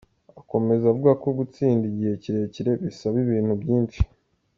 Akomeza avuga ko gutsinda igihe kirekire bisaba ibintu byinshi.